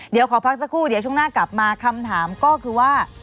เดี๋ยวขอพักสักครู่เดี๋ยวช่วงหน้ากลับมาคำถามก็คือว่า